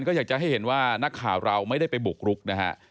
ก็อยากจะให้เห็นว่านักข่าวเราไม่ได้ไปบุกรุกนะฮะ